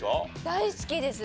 大好きです。